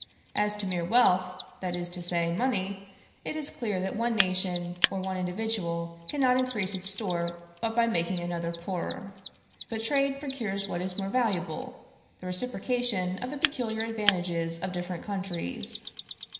As to mere wealth, that is to say, money, it is clear that one nation or one individual cannot increase its store but by making another poorer: but trade procures what is more valuable, the reciprocation of the peculiar advantages of different countries.